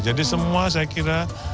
jadi semua saya kira